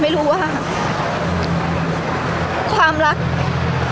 พี่ตอบได้แค่นี้จริงค่ะ